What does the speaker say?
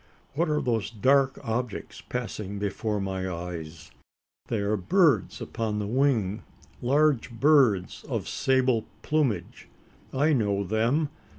What are those dark objects passing before my eyes? They are birds upon the wing large birds of sable plumage. I know them.